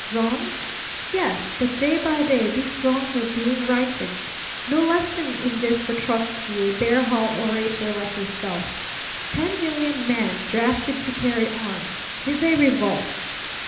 Wrongs? Yes. But day by day these wrongs are being righted. No lesson in this for Trotzky, a beer hall orator like yourself. Ten million men drafted to carry arms. Did they revolt?